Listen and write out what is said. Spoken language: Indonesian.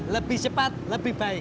lebih cepat lebih baik